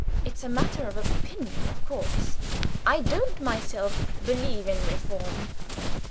It's a matter of opinion, of course. I don't myself believe in reform.